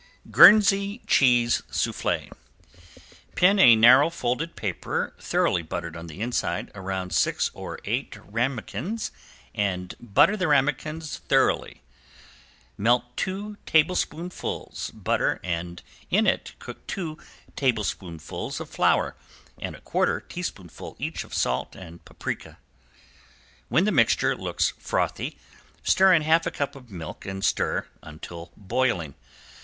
~GUERNSEY CHEESE SOUFFLE~ Pin a narrow folded paper thoroughly buttered on the inside, around six or eight ramequins and butter the ramequins thoroughly. Melt two tablespoonfuls butter and in it cook two tablespoonfuls of flour and a quarter teaspoonful each of salt and paprika. When the mixture looks frothy stir in half a cup of milk and stir until boiling.